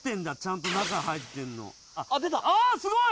あっすごい！